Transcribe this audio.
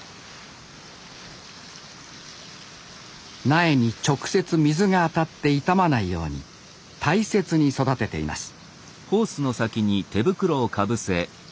苗に直接水が当たって傷まないように大切に育てています。